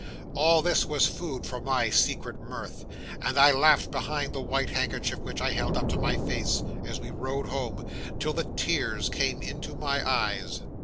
All this was food for my secret mirth, and I laughed behind the white handkerchief which I held up to my face, as we rode home, till the tears came into my eyes.